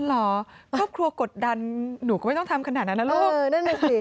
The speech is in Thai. เหรอครอบครัวกดดันหนูก็ไม่ต้องทำขนาดนั้นนะลูกนั่นน่ะสิ